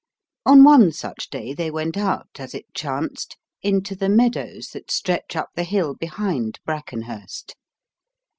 On one such day they went out, as it chanced, into the meadows that stretch up the hill behind Brackenhurst.